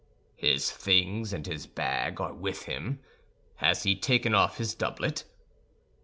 "His things and his bag are with him? Has he taken off his doublet?"